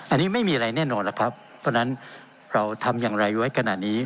อันนี้ไม่มีอะไรแน่นอนแล้วครับเพราะฉะนั้นเราทำอย่างไรไว้ขนาดนี้